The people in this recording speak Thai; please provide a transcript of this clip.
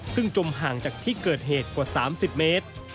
ซึ่งจมห่างจากที่เกิดเหตุกว่า๓๐เมตร